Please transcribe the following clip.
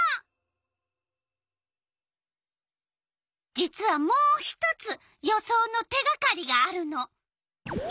実はもう１つ予想の手がかりがあるの。